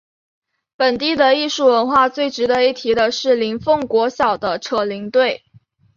本地的艺术文化最值得一提的是林凤国小的扯铃队。